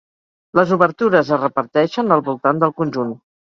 Les obertures es reparteixen al voltant del conjunt.